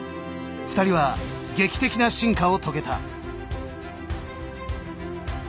２人は、劇的な進化を遂げた。